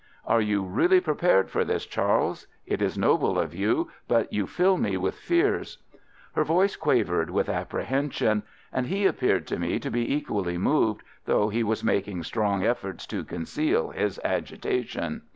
"Are you really prepared for this, Charles? It is noble of you, but you fill me with fears." Her voice quavered with apprehension, and he appeared to me to be equally moved, though he was making strong efforts to conceal his agitation.